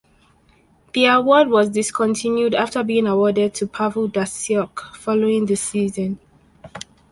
The Award was discontinued after being awarded to Pavel Datsyuk following the season.